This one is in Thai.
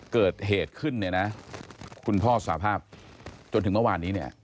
เกิดเหตุขึ้นเนี่ยนะคุณพ่อสาภาพจนถึงเมื่อวานนี้เนี่ย